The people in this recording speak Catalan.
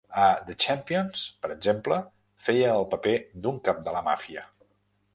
A "The Champions", per exemple, feia el paper d'un cap de la màfia.